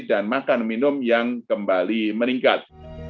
dan makan minum yang kembali meningkat